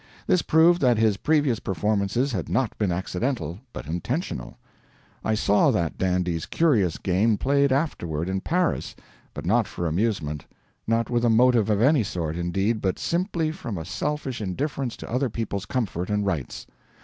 This proved that his previous performances had not been accidental, but intentional. I saw that dandy's curious game played afterward, in Paris, but not for amusement; not with a motive of any sort, indeed, but simply from a selfish indifference to other people's comfort and rights.